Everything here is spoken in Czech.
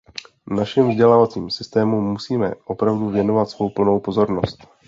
Našim vzdělávacím systémům musíme opravdu věnovat svou plnou pozornost.